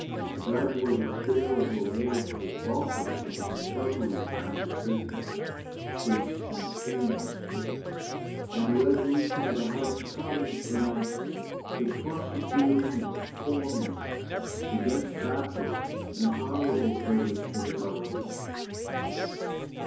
A graduated scale of rewards was offered for the discovery of Catholic bishops, priests, and schoolmasters; and a resolution of the House of Commons pronounced 'the prosecuting and informing against Papists' 'an honourable service to the Government.'